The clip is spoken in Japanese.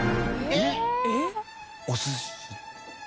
あっお寿司。